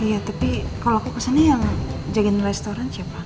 iya tapi kalo aku kesana yang jagain restoran siapa